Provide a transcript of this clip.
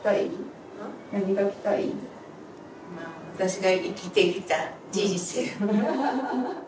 私が生きてきた人生を。